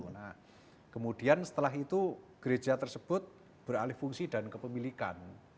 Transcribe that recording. nah kemudian setelah itu gereja tersebut beralih fungsi dan kepemilikan